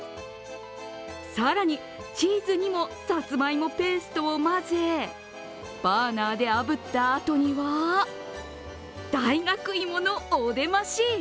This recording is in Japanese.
更にチーズにもさつまいもペーストを混ぜバーナーであぶったあとには大学芋のお出まし。